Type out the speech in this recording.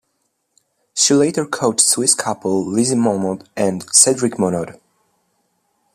She later coached Swiss couple Leslie Monod and Cedric Monod.